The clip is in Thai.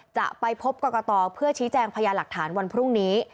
จะไปพบกรกตเพื่อชี้แจงพยานหลักฐานวันพรุ่งนี้